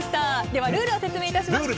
ではルールを説明します。